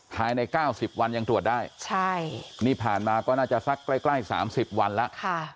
ภายใน๙๐วันยังตรวจได้นี่ผ่านมาก็น่าจะสักใกล้๓๐วันแล้ว